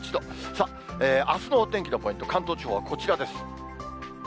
さあ、あすのお天気のポイント、関東地方はこちらです。